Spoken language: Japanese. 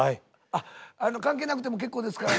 あっ関係なくても結構ですから。